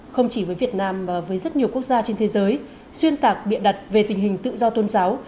không chỉ với việt nam mà với rất nhiều quốc gia trên thế giới xuyên tạc biện đặt về tình hình tự do tôn giáo